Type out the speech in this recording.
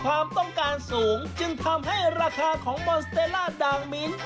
ความต้องการสูงจึงทำให้ราคาของมอนสเตรล่าดางมิ้น